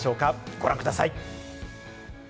ご覧ください。